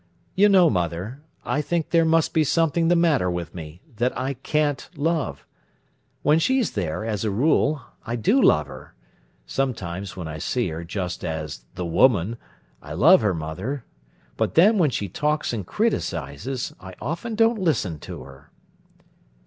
"You know, mother, I think there must be something the matter with me, that I can't love. When she's there, as a rule, I do love her. Sometimes, when I see her just as the woman, I love her, mother; but then, when she talks and criticises, I often don't listen to her."